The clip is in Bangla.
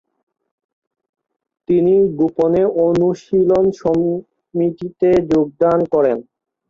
তিনি গোপনে অনুশীলন সমিতিতে যোগদান করেন।